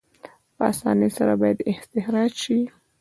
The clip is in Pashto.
په اسانۍ سره باید استخراج شي.